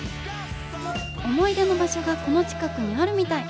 思い出の場所がこの近くにあるみたい。